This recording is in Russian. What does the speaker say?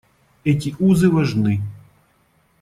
Эти узы важны.